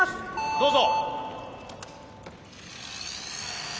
どうぞ。